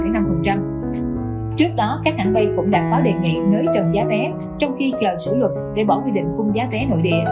trước đó các hãng bay cũng đã có đề nghị nới trần giá vé trong khi chờ số luật để bỏ quy định khung giá vé nội địa